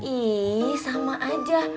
ih sama aja